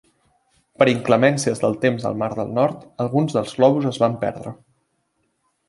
Per inclemències del temps al mar del Nord, alguns dels globus es van perdre.